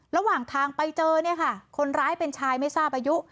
ระหว่างทางไปเจอเนี่ยค่ะคนร้ายเป็นชายไม่ทราบอายุ